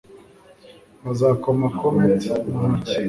bazakoma comet mu ntoki